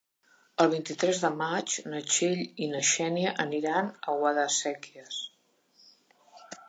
El vint-i-tres de maig na Txell i na Xènia aniran a Guadasséquies.